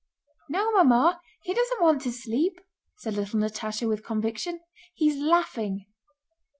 "No, Mamma, he doesn't want to sleep," said little Natásha with conviction. "He's laughing."